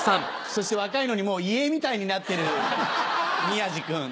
そして若いのにもう遺影みたいになってる宮治君。